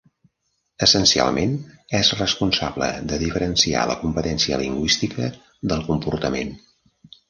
Essencialment, és responsable de diferenciar la competència lingüística del comportament.